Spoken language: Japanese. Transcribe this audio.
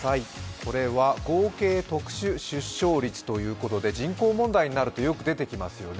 これは合計特殊出生率ということで人口問題になるとよく出てきますよね。